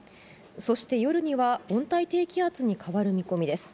そして夜には温帯低気圧に変わる見込みです。